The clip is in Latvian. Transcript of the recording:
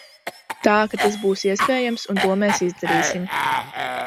Tā ka tas būs iespējams, un to mēs izdarīsim.